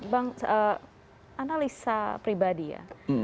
bang analisa pribadi ya